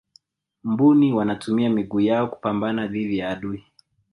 mbuni wanatumia miguu yao kupambana dhidi ya adui